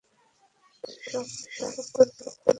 – তোমার ঐ সভ্য-অসভ্যর কথাটা এই পরশু থেকে বলছ।